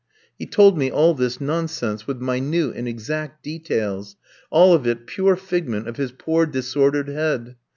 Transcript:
He told me all this nonsense with minute and exact details; all of it pure figment of his poor disordered head.